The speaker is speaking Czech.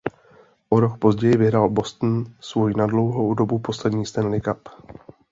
O rok později vyhrál Boston svůj na dlouhou dobu poslední Stanley Cup.